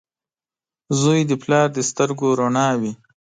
• زوی د پلار د سترګو رڼا وي.